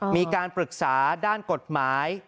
มีการปรึกษาด้านกฎหมาย